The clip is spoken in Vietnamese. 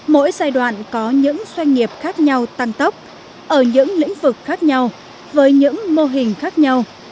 mỗi giai đoạn có những doanh nghiệp khác nhau tăng tốc ở những lĩnh vực khác nhau với những mô hình khác nhau